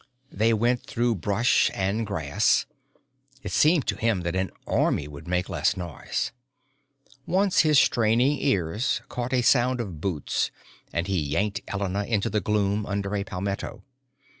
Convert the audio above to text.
They went through brush and grass. It seemed to him that an army would make less noise. Once his straining ears caught a sound of boots and he yanked Elena into the gloom under a palmetto.